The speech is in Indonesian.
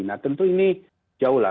nah tentu ini jauh lah